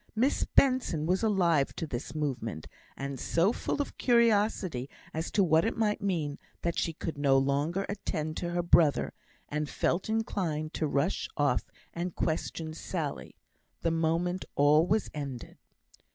Miss Benson was alive to this movement, and so full of curiosity as to what it might mean that she could no longer attend to her brother, and felt inclined to rush off and question Sally the moment all was ended.